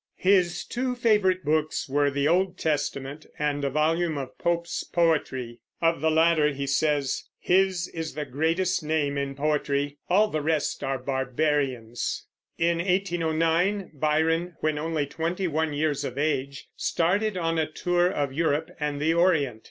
His two favorite books were the Old Testament and a volume of Pope's poetry. Of the latter he says, "His is the greatest name in poetry ... all the rest are barbarians." In 1809 Byron, when only twenty one years of age, started on a tour of Europe and the Orient.